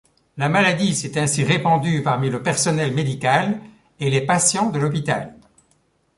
La maladie s’est ainsi répandue parmi le personnel médical et les patients de l’hôpital.